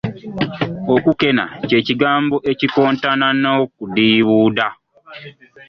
Okukena ky'ekigambo ekikontana n'okudiibuuda.